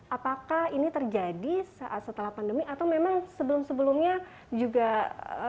apakah ini terjadi setelah pandemi atau memang sebelum sebelumnya juga